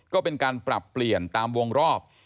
ก็เป็นการปรับเปลี่ยนตามวงรอบ